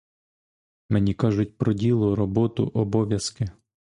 Мені кажуть про діло, роботу, обов'язки.